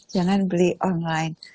jangan beli online